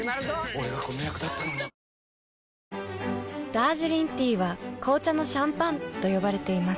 俺がこの役だったのにダージリンティーは紅茶のシャンパンと呼ばれています。